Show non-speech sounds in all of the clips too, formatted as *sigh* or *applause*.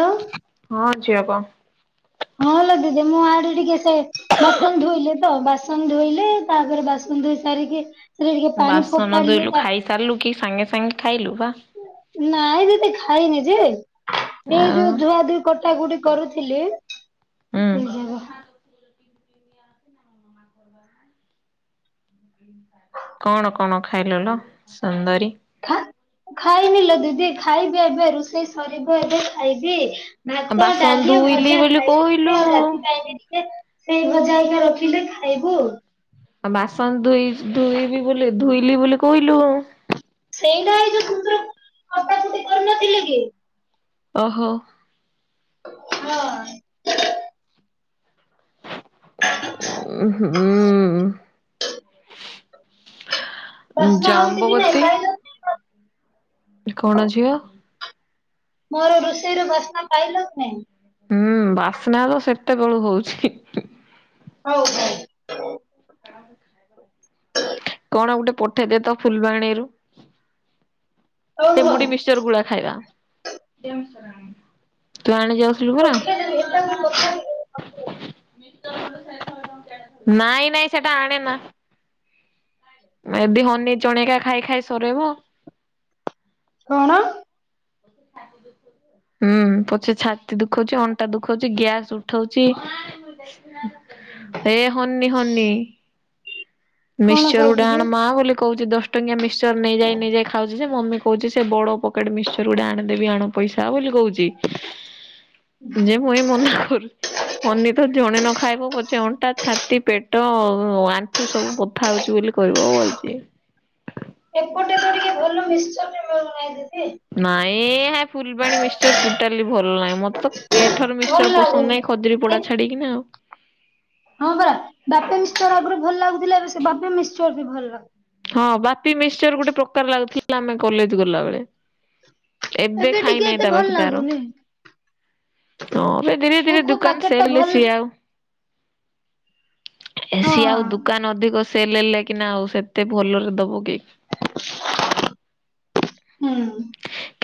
ଆଉ। *inaudible* ହଁ ଲୋ ଦିଦି ମୁଁ ଆଡେ ଟିକେ ସେ ବାସନ ଧୁଇଲି ତ ବାସନ ଧୁଇଲି ତାପରେ ବାସ ଧୁଇସାରିକି ବାସନ ଧୁଇଲୁ ଖାଇସାରିଲୁ କି ସାଙ୍ଗେ ସାଙ୍ଗେ ଖାଇଲୁ ବାଃ ନାଇଁ ଦିଦି ଖାଇନି ଯେ ଏ ଆଉ ଯୋଉ ଧୁଆଧୁଇ କଟାକୁଟି କରୁଥିଲି ହୁଁ ହେଇଯୋଗ। *inaudible* କଣ କଣ ଖାଇଲଲୋ ସୁନ୍ଦରୀ ଖା ଖାଇନିଲୋ ଦିଦି ଖାଇବି ଏବେ ରୁଷେଇ ସରିବ ଏବେ ଖାଇବି। ଭାତ, ବାସନ ଡାଲି, ଧୋଇଲି ଭଜା ବୋଲି ଖାଇବି କହିଲୁ ଟିକେ ଆଉ ରାତି ଟାଇମ ଟିକେ ସେଇ ଭଜା ଏକା ରଖିଲେ ଖାଇବୁ। ଆଉ ବାସନ ଧୁଇଚି ଧୁଇବି ବୋଲି ଧୁଇଲିି ବୋଲି କହିଲୁ ଆଉ ସେଇନା ଏଇ ଯଉ କୁନ୍ଦୁର *inaudible* କଟାକଟି କରୁନଥିଲେ କି। ଓହୋ। ହଁ। ଉଁ ହୁଁ। ଉଁ ବାସ୍ନା ହଉଛି କି ନାଇଁ ଜାମ୍ବବତୀ ପାଇଲ କଣ ଝିଅ? ମୋର ରୋଷେଇ ର ବାସ୍ନା ପାଇଲ କି ନାଇଁ? ହୁଁ ବାସ୍ନା ତ ସେତେବେଳୁ ହଉଚି। ହିଁ ହିଁ। ହଉ ହଉ। *unintelligible* ଖାଇବା। କଣ ଗୋଟେ ପଠେଇଦେତ ଫୁଲବାଣୀରୁ ହଉ ଟିକେମୁଢି ହଉ ମିସ୍ଚର ଗୁଳା ଖାଇବା ତୁଆଣେ ଯାସ୍ ଯିବୁନା। ପଠେଇ ଦେବି ଏଟାକୁ ପଠେଇ ଦେବି। ନାଇଁ ନାଇଁ ସେଟା ଆଣେନା। ମେବି ହନି ଚଣେକା ଖାଇ ଖାଇ ସରେଇବ। କଣ। *inaudible* ହୁଁ ପଛେ ଛାତି ଦୁଖଉଛି ଅଣ୍ଟା ଦୁଖଉଛି ଗ୍ୟାସ ଉଠଉଚି। ଏ ହନି ହନି। କଣ ମିକ୍ସଚର ଗୋଡେ କହୁଛୁ କି? ଆଣ ମାବୋଲି କହୁଚି ଦଶ ଟଙ୍କିଆ ମିକ୍ସଚର ନେଇଯାଇ ନେଇଯାଇ ଖାଉଚି ଯେ ମମି କହୁଚି ସେବଡ଼ ପକେଟ ମିିକ୍ସଚର ଗୋଟେ ଆଣେଦେବି ଆଣ ପଇସା ବୋଲି କହୁ ଚି ଯେପୁଣି ମନା କରୁ ଅନିତ ଜଣେ ନଖାଇବ ପଛେ ଅଣ୍ଟା ଛାତି ପେଟ ଅଁ ଆଣ୍ଠୁ ସ ସବୁ ବଥା ହଉଚି ବୋଲି କହିବ *unintelligible* ଏପଟେ ତ ଟିକେ ଭଲ ମିକ୍ସଚର ମିଳୁନାହିଁ ଦିଦି। ନାଇଁହେ ଫୁଲବାଣୀ ମିକ୍ସଚର ଟୋଟାଲି ଭଲ ନାହିଁ ମତେତ କେଠାରୁ ମିଶ ଭଲ ମିକ୍ସଚର ପସନ୍ଦ ଲାଗୁନି। ନାଇଁ ଖଦିରି ପୋଡ଼ ଛାଡ଼ିକିନା ଆଉ। ହଁ ପରା ବାପି ମିକ୍ସଚର ଆଗରୁ ଭଲ ଲାଗୁଥିଲା ଏବେ ସେବାପି ମିକ୍ସଚରବି ଭଲ ଲାଗୁ ହଁ ବାପି ମିକ୍ସଚର ଗୋଟେ ପ୍ରକାର ଲାଗୁଥିଲା ଆମେ କଲେଜ୍ ଗଲାବେଳେ। ଏବେ ଖାଇ ଟିକେ ନହିଁ ଏତେ ଭଲ ତାବାକି ତାର। ଲାଗୁନି ହଁ ଏବେ ଧୀରେ କୋଉ ଧୀରେ କୋଉ ଦୋକାନ ପ୍ୟାକେଟ ଟା ସେରେ ଭଲ ସିଏ ଆଉ ଏ ହଁ ସିଏ ଆଉ ଦୁକାନ ଅଧିକ ସେଲ ହେଲେ କିନା ଆଉ ସେ ଏତେ ଭଲରେ ଦବକେ ହୁଁ।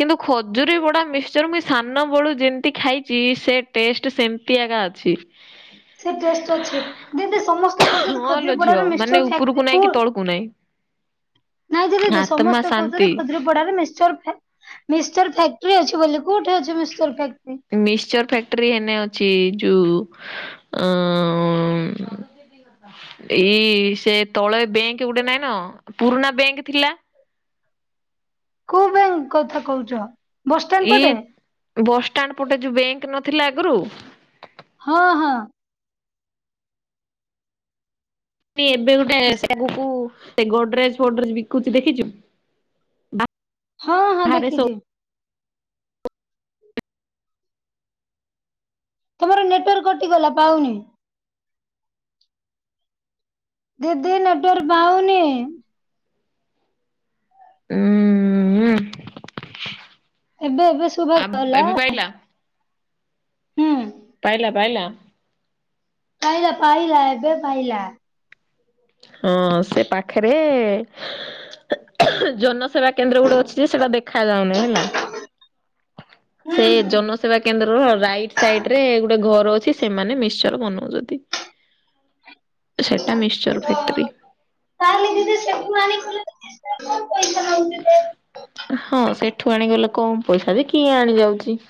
କିନ୍ତୁ ଖଜୁରୀ ବଡ଼ା ମିକ୍ସଚର ମୁଇଁ ସାନବେଳୁ ଯେମିତି ଖାଇଛି ସେଟେଷ୍ଟ ସେମିତି ଆଗା ଅଛି। *inaudible* ସେଟଷ୍ଟ ଅଛି ଦିଦି ସମସ୍ତେ କହୁଛନ୍ତି ହଁ ଲୋ ଝିଅ ଖଜୁରିପଡ଼ାର ମାନେ ମିକ୍ସଚର ଉପରକୁ ଫେକ୍ଟେରି ନାଇଁ କୁ କି ତଳକୁ ନାଇଁ ନାଇଁଯେ ଦିଦି ଆତ୍ମା ସମସ୍ତେ କହୁଛନ୍ତି ଶାନ୍ତି ଖଜୁରି ପଡ଼ାରେ ମିକ୍ସଚର ଫେ ଫେକ୍ଟେରି ଅଛି ବୋଲି କୋଉଠି ଅଛି ମିକ୍ସଚର ଫେକ୍ଟେରି। ମିକ୍ସଚର ଫ୍ୟାକ୍ଟରି ହେନ୍ ଅଛି ଯୋଉ ଅଁ ଏଇ ସେତଳେ ବ୍ୟାଙ୍କ ଗୋଟେ ନାଇଁନ ପୁରୁଣା ବ୍ୟାଙ୍କ ଥିଲା। କୋଉ ବ୍ୟାଙ୍କ କଥା କହୁଛ। ବସଷ୍ଟାଣ୍ଡ ଏଇ ପଟେ ବସ୍ଷ୍ଟାଣ୍ଡ ପଟେ ଯୋଉ ବ୍ୟାଙ୍କ ନଥିଲା ଆଗରୁ। ହଁ ହଁ। ଏବେ ଗୋଟେ ସେଆଗକୁ ଗୋଡ୍ରଜ୍ ଫଡ୍ରଜ୍ ବିକୁଛି ବିକୁଚି ଦେଖିଛୁ ବା ହଁ ହଁ ଦେଖିଚି। ତମର ନେଟୱାର୍କ କଟିଗଲା ପାଉନି। ଦିଦି ନେଟୱାର୍ ପାଉନି। ଉଁ ହୁଁ। ଏବେ ଏବେ ଶୁଭା ଆ ଗଲା ଏବେ ପାଇଲା। ହୁଁ। ପାଇଲା ପାଇଲା। ପାଇଲା ପାଇଲା ଏବେ ପାଇଲା। ହଁ ସେ ପାଖରେ ଜନସେବା କେନ୍ଦ୍ର ଗୋଟେ ଅ ଛି ଯେ ସେଟା ଦେଖା ଯାଉନି ହେଲା। ହୁଁ ସେ ହୁଁ। ଜନସେବା କେନ୍ଦ୍ର ର ରାଇଟ୍ ସାଇଟ୍ ରେ ଗୁ ଟେ ଘର ଅଛି ସେମାନେ ମିସ୍ଚର ବନଉଚନ୍ତି, ସେଟା ମିସ୍ଚର ଫେକ୍ଟ୍ରୀ ତାହେଲେ ଦିଦି ସେଠୁ ଆଣି କଲେନି *inaudible* ପଇସା ନଉଥିବେ। ହଁ ସେଠୁ ଆଣିଗଲେ କମ ପଇସା ବି କିଏ ଆଣି ଯାଉଚି।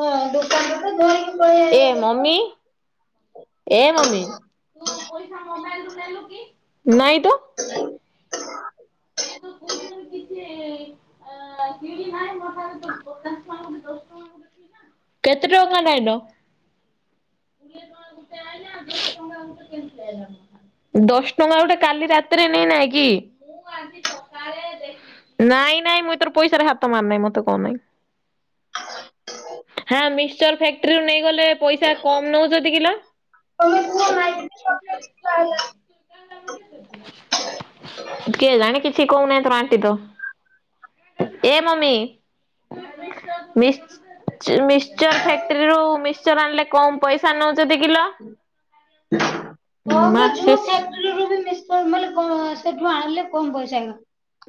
ହଁ ଦୋକାନରୁ ତ ଧଇକି ଏ ମମି ଏ ମମି ନାଇଁ ତ। ମୁଁ ତ କୋଉଠି *inaudible* କିଛି ଆ, କିଣି ନାଇ, ମୋ *inaudible* କେତେ ଟଙ୍କା ନାଇଁନ? ଦଶ ଟଙ୍କା ଗୋଟେ କାଲି ରାତିରେ ନେଇନାଇ କି? ଆଜି ସକାଳେ ଦେ ନାଇଁ ନାଇଁ ମୁଇଁ ତର ପଇସାରେ ହାତ ମାରିନାଇଁ ମୋତେ କହ ନାଇଁ। ହଁ ମିସ୍ଚର ଫ୍ୟାକ୍ଟ୍ରି ରୁ ନେଇଗଲେ ପଇସା କମ ନଉଛନ୍ତି କି ଲୋ? *unintelligible* କେଜାଣେ କିଛି କହୁନାହିଁ ତୋର ଆଣ୍ଟି ତ, ଏ ମମି ମିସ୍ଚ ଚି ମିସ୍ଚର ଫ୍ୟାକ୍ଟ୍ରିରୁୁ ମିସ୍ଚର ଆଣିଲେ କମ ପଇସା ନଉଚନ୍ତି କି ଲୋ? କଅ ସେ ଝିଅ ଫେ *inaudible* ମିସ୍ଚର ନହେଲେ କ- ସେଠୁ ଆଣିଲେ କମ ପଇସା ନିଏ।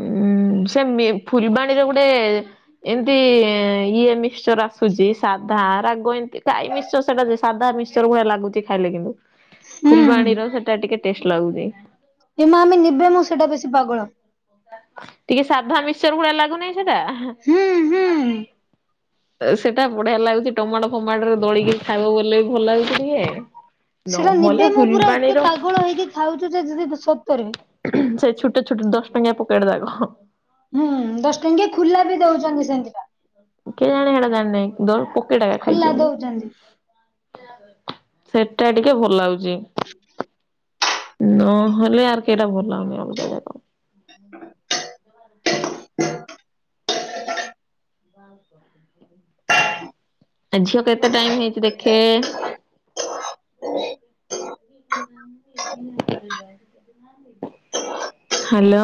ଉଁ, ସେ ମି -ଫୁଲବାଣୀର ଗୁଟେ ଏମତି ଇଏ ମିକ୍ଶଚର ଆସୁଛି ସାଧା ରାଗ ଏମତି ଖାଇ ମିସ୍ ସ ସେଟା ସେ ସାଧା ମିିସ୍ଚର ଭଳିଆ ଲାଗୁଚି ଖାଇଲେ କିନ୍ତୁ। ହୁଁ ହୁଁ। ଫୁଲବାଣୀର ସେଟା ଟିକେ ଟେଷ୍ଟ ଲାଗୁଚି। ଏ ମା ଆମେ ନିବୁନୁ ସେଇଟା ବେଶୀ ପାଗଳ। ଟିକେ ସାଧା ମିିସ୍ଚର ଭଳିଆ ଲାଗୁ ନାହିଁ ସେଟା? ହୁଁ ହୁଁ। ଏ ସେଟା ବଢିଆ ଲାଗୁଚି ଟମାଟୋ ଫମାଟୋ ରେ ଦୋଳିକି ଖାଇବ ବୋଲେ ଭଲ ଲାଗୁଛି ଟିକେ। ସେଟା ନହେଲେ ନେବି ମୁଁ ପୁରା ଏତେ ଫୁଲବାଣୀର ପାଗଳ ହେଇକି ଖାଉଚୁ ଯେ ଦିଦି ବୁ-ସତରେ। ସେ ଛୁଟ ଛୁଟ ଦଶ ଟଙ୍କିଆ ପକେଡ ଯାକ। ହୁଁ, ଦଶ ଟଙ୍କିଆ ଖୁଲା ବି ଦଉଛନ୍ତି ସେମିତି ବା। କେଇଜାଣେ ହେଟା ଜାଣିନାହିଁ ଦ-ପକେଟ୍ ଆକା ଖୁଲା ଖାଇଛି ମୁଇଁ। ଦଉଛନ୍ତି। ସେଟା ଟିକେ ଭଲ ଲାଗୁଚି। ନହେଲେ ଆର କେଟା ଭଲ୍ ଲାଗୁନି ଅଲଗା ଯାକ। *inaudible* *inaudible* ଏ ଝିଅ କେତେ ଟାଇମ୍ ହେଇଛି ଦେଖେ? *inaudible* ହାଲୋ।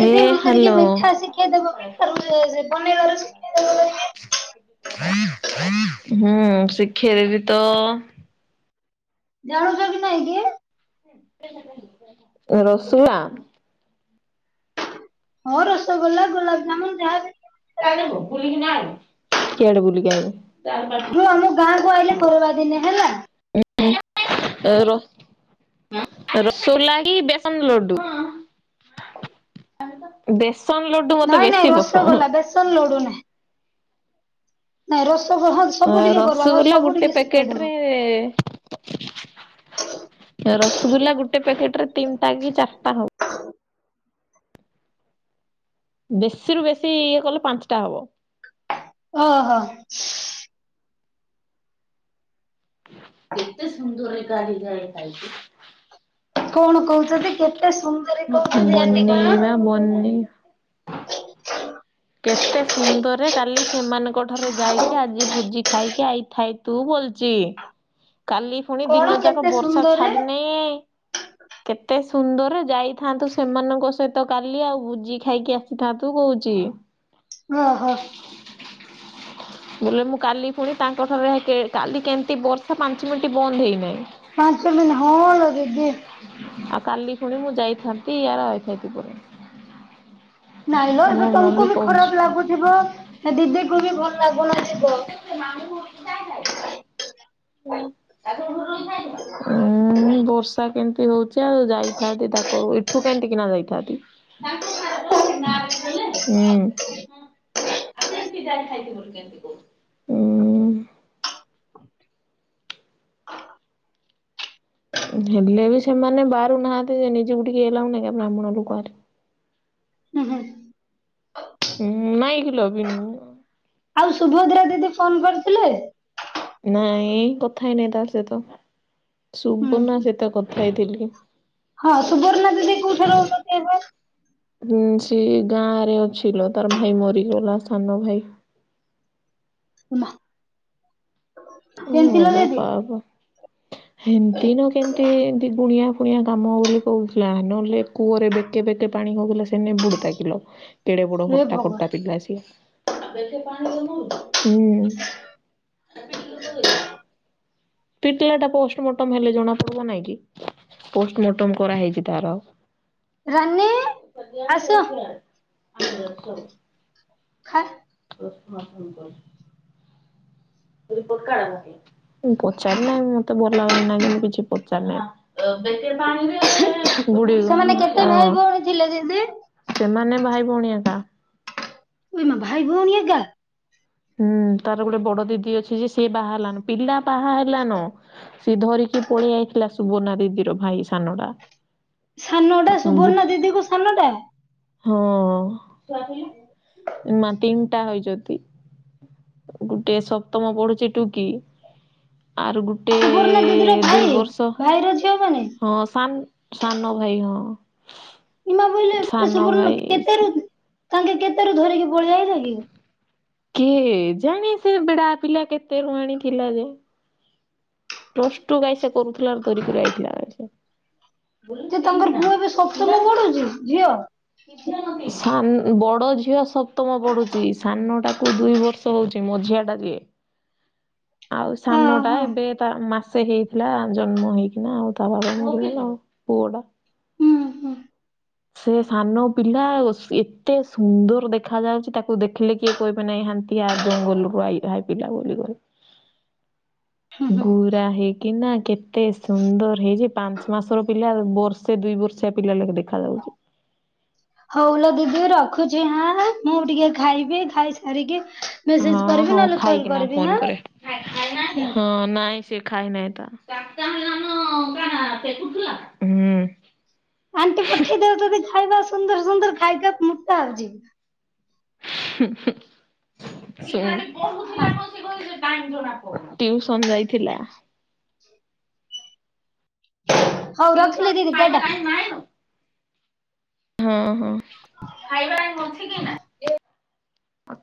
ଏ ତୋତେ କିଏ ହାଲୋ ମିଠା ଶିଖେଇଦବ ମିଠା ବନେଇବା ସେ ବନେଇବା *inaudible* ଶିଖେଇଦବ ଯଦି କିଏ ହୁଁ, ଶିଖେଇ ଦେବି ତ ଜାଣୁଛ କି ନାଇଁ କି? ରସୁଳା। ହଁ ରସଗୋଲା ଗୋଲାପଜାମୁନ ଯାହା ସିଆଡେ ବୁଲିକି ଆଇବ ଗାଁ କୁ ଆଇଲେ ଖରବା ଦିନେ ହେଲା ର *unintelligible* ରସଗୋଲା ହିଁ ବେସନ ଲଡୁ। ବେସନ ଲଡୁ ମତେ ବେଶୀ ପସ ତନ୍ ଲଡ଼ୁ ନା ନାଇଁ ରସଗହ ଏ ରସଗୋଲା ଗୋଟେ ପ୍ୟାକେଟ ରେ ରସଗୁଲା ଗୋଟେ ପ୍ୟାକେଟ ରେ ତିନିଟା କି ଚାରିଟା ହଉ। ବେଶୀରୁୁ ବେଶୀ ଇଏ କଲେ ପାଞ୍ଚଟା ହବ। ଓହୋ। କେତେ ସୁନ୍ଦରେ କାଳୀ ଗାଇ ଖାଇଛୁ। କଣ କହୁଛନ୍ତି କେତେ ସୁନ୍ଦ ବନେଇବା ବନେ କେତେ ସୁନ୍ଦରେ କାଲି ସେମାନଙ୍କ ଠାରେ ଯାଇକି ଆଜି ଭୋଜି ଖାଇକି ଆଇଥାଇ ତୁ ଭଲଚି କାଲି ପୁଣି କଣ ଦିନ ଯାକ କେତେ ବର୍ଷା ସୁନ୍ଦରରେ ଛାଡି ନାଇ। କେତେ ସୁନ୍ଦର ଯାଇଥାନ୍ତୁ ସେମାନଙ୍କ ସହିତ କାଲି ଆଉ ବୁଜି ଖାଇକି ଆସିଥାନ୍ତୁ କହୁଛି। ଓ ହୋ। ବୋଲେ ମୁଁ କାଲି ପୁଣି ତାଙ୍କଠାରେ ରହକେ କାଲି କେମିତି ବର୍ଷା ପାଞ୍ଚ ମିନିଟ ବନ୍ଦ ହେଇନାହିଁ। ପାଞ୍ଚ ମିନ ହ ଲ ଦିଦି। ଆଉ କାଲି ଫୁଣି ମୁଁ ଯାଇଥାନ୍ତି ୟାର ଆଇଥାଆନ୍ତି ପୁଣି। ନାଇଁ ଲ ଏବେ ତମକୁ ବି ଖରାପ ଲାଗୁଥିବ ନା ଦିଦି କୁ ବି ଭଲ ଲାଗୁନଥିବ। ମାନଛି ଯାଇ ଖାଇ *unintelligible* *inaudible* ଉୁଁ। ହୁଁ ବର୍ଷା କେମିତି ହଉଛି ଆଉ ଯାଇଥାନ୍ତି ତାକରୁ ଏଠୁ କେମିତି କିନା ଯାଇଥାନ୍ତି? ତାଙ୍କଠାରେ ସେ କା ବଲେ ହୁଁ। *unintelligible* ଆଉ କେ ଏମିତି ଯାାଇ ଖାଇଥିବ କେମିତି କହୁ। *unintelligible* ହେଲେ ବି ସେମାନେ ବାରୁନାହାଁନ୍ତି ଯେ ନିଜକୁ ଟିକେ ହେଲାଣି ବ୍ରାହ୍ମଣ ଲୋକ ଆରେ ହୁଁ ହୁଁ। ହୁଁ ହୁଁ ନାଇଁଗିଲ ବିନି ମୀ। ଆଉ ସୁଭଦ୍ରା ଦିଦି ଫୋନ କରିଥିଲେ? ନାଇଁ କଥା ହେଇନି ତା ସହିତ। ସୁବର୍ଣ ହୁଁ ସହିତ କଥା ହେଇଥିଲି। ହଁ ସୁବର୍ଣ୍ଣା ଦିଦି କୋଉଠି ରହୁଛନ୍ତି ଏବେ? ହୁଁ ସିଏ ଗାଁ ରେ ଅଛି ଲୋ ତାର ଭାଇ ମରିଗଲା ସାନ ଭାଇ। ଉମା ହୁଁ ଲୋ ପାବ *inaudible* ଏମିତି ନ କେମତି ଏମିତି ଗୁଣିଆ ଫୁଣିଆ କାମ ବୋଲି କହୁଥିଲା ନହେଲେ କୂଅରେ ବେ କେବେ କେ ପାଣି ହଉଗାଲା ସେନେ ବୁଡୁତା ଗିଲ କେଡେ ବଡ ହେ ହଟା ଭଗବାନ ଖଟା ପିଲା ସିଏ ଆ ପାଣି *unintelligible* ପିଟିଲା ଟା ପୋଷ୍ଟମର୍ଟମ ହେଲେ ଜଣା ପଡିବ ନାଇଁ କି? ପୋଷ୍ଟମର୍ଟମ କରାହେଇଛି ତାର। ରାନୀ ପଇସା ଆସ। ଦଆଛି ଆଠ ଲସ *inaudible* ଖଁ *inaudible* ପ୍ରଶ ମାସ *inaudible* ମୁଁ ପଚାରେ ନାଇ ମତେ ଭଲ ଭଲ ନାଗେନି କିଛି ପଚାରେ ନାଇଁ। ସେମାନେ କେତେ ଭାଇ ହଁ। *inaudible* ଭଉଣୀ ଥିଲେ ଦିଦି? ସେମାନେ ଭାଇ ଭଉଣି ଏକା। ଓଇମା ଭାଇ ଭଉଣୀ ଏକା? ହୁଁ ତାର ଗୋଟେ ବଡ ଦିଦି ଅଛି ଯେ ସିଏ ବାହାହେଲାଣ। ପିଲା ବାହା ହେଲାନ ସିଏ ଧରିକି ପଳେଇ ଆଇଥିଲା ସୁବର୍ଣ୍ଣା ଦିଦିର ଭାଇ ସାନଟା। ସାନଟା ଗୁ ସୁବର୍ଣ୍ଣ ଦିଦିଙ୍କ ସାନଟା? ହଁ ଏମା ତିନିଟା ହୋଇଚତି। ଗୁଟେ ସପ୍ତମ ପଢୁଛି ଟୁକି ଆର ଗୁ ସୁବର୍ଣ୍ଣା ଦିଦିର ଭାଇ ଭାଇର ଝିଅ ମାନେ? ହଁ ସାନ ସାନ ଭାଇ ହଁ। ଇମା ବୁଇଲେ ସାନ ସୁବର୍ଣ୍ଣା ଭାଇ କେତେ ର ତାଙ୍କେ କେତେରୁ ଧରିକି ପଳେଇଆଇଲେ କି? କିଏ ଜାଣି ସେ ବେଡା ପିଲା କେତେ ରୁ ଆଣିଥିଲା ଯେ। ପ୍ଲସ୍ଟୁ ଗାଇ ସେ କରୁଥିଲା ଧରିକରି ଆଇଥିଲା ସେ। ଯେ ତାଙ୍କର ପୁଅ ଏବେ ସପ୍ତମ ପଢୁଛି ଝିଅ? ସାନ ବଡ ଝିଅ ସପ୍ତମ ପଢୁଛି ସାନ ଟାକୁ ଦୁଇ ବର୍ଷ। ତ ହଉଛି ମଝିଆ ଟା ଯିଏ। *inaudible* ଆଉ ସାନଟା ହଁ ଏବେ ତା ମାସେ ହେଇଥିଲା ଜନ୍ମ ହେଇକିନା ଆଉ ତା ବାବା ମରିଗଲା ଆଉ। ପୁଅଟା। ହୁଁ ହୁଁ। ସେ ସାନ ପିଲା ଓସ ଏତେ ସୁନ୍ଦର ଦେଖା ଯାଉଛି ତାକୁ ଦେଖିଲେ କିଏ କହିବେ ନାଇଁ ହାନ୍ତିଆ ଜଙ୍ଗଲରୁ ଆଇ ହାଇପିଲା ବୋଲି କହିବେ। *inaudible* ଗୁ ଗୁରା ହେଇକିନା କେତେ ସୁନ୍ଦର ହେଇଛି ପାଞ୍ଚ ମାସର ପିଲା ବର୍ଷେ ଦୁଇ ବର୍ଷ ଛୁଆ ପିଲା ଲାଖେ ଦେଖାଯାଉଛି। *inaudible* ହଉଲୋ ଦିଦି ରଖୁଛି ହାଁ ମୁଁ ଟିକେ ଖାଇବି ଖାଇ ସାରିକି ହଁ ହଉ ଖାଇକିନା ଫୋନ୍ କରେ ହୁଁ ହଁ ନାଇଁ ସିଏ ଖାଇ ନାଇଁ ତା ହୁଁ। ଆଣ୍ଟି ପଠେଇ ଦଉଛନ୍ତି ଖାଇବା ସୁନ୍ଦର ସୁନ୍ଦର ଖାଇକିନା ମୁଟା ହଉଛି। ହୁଁ ହୁଁ ସେମିତି। ହଁ ଟିଉସନ୍ ଯାଇଥିଲା। ହଉ ରଖିଲି ଦିଦି ଟାଟା। ହଁ ହଁ। ମତେ